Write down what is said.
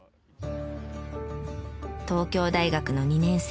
東京大学の２年生。